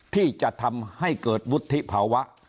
ที่จะทำให้เกิดวุฒิภาวะ